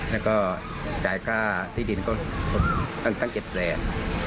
แล้วก็จ่ายก้าวที่ดินตั้ง๗๐๐๐๐๐ประมาณ